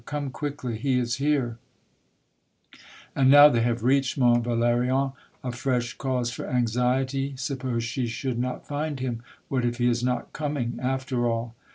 " Come quickly. He is here !" And now they have reached Mont Valerien, a fresh cause for anxiety. Suppose she should not find him ! What if he is not coming, after all